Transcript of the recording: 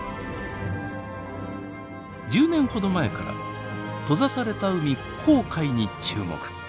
１０年ほど前から閉ざされた海紅海に注目。